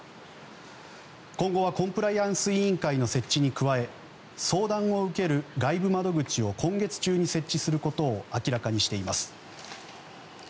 今後はコンプライアンス委員会の設置に加え相談を受ける外部窓口を今月中に設置することを明らかにしています。